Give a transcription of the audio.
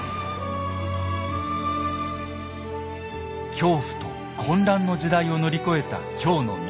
恐怖と混乱の時代を乗り越えた京の都。